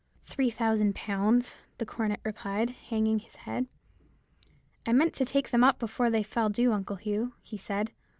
"'Three thousand pounds,' the cornet replied, hanging his head. 'I meant to take them up before they fell due, Uncle Hugh,' he said.